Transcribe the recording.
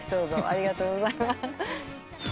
ありがとうございます。